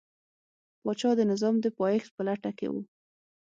پاچا د نظام د پایښت په لټه کې و.